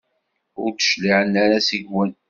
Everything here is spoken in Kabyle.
Ur d-cliɛen ara seg-wen.